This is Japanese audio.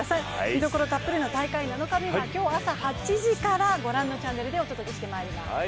見どころたっぷりの大会７日目は、今日の朝８時から御覧のチャンネルでお届けしてまいります。